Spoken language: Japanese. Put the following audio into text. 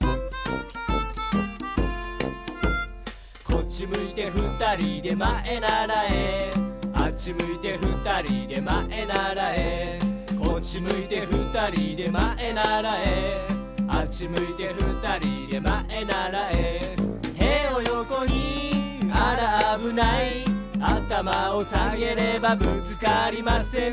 「こっちむいてふたりでまえならえ」「あっちむいてふたりでまえならえ」「こっちむいてふたりでまえならえ」「あっちむいてふたりでまえならえ」「てをよこにあらあぶない」「あたまをさげればぶつかりません」